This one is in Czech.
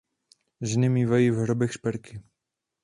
Ženy mívají v hrobech šperky.